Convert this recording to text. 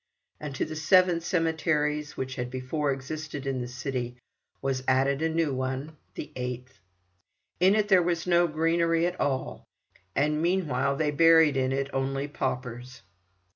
And to the seven cemeteries which had before existed in the city was added a new one, the eighth. In it there was no greenery at all, and meanwhile they buried in it only paupers.